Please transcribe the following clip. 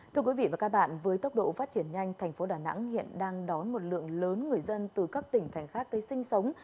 thưa quý vị và các bạn với tốc độ phát triển nhanh thành phố đà nẵng hiện đang đón một lượng lớn người dân từ các tỉnh thành khác tới sinh sống